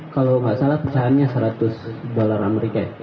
kalau nggak salah pecahannya seratus dolar amerika ya